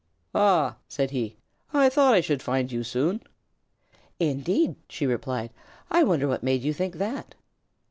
"Ah!" said he. "I thought I should find you soon." "Indeed?" she replied. "I wonder what made you think that?"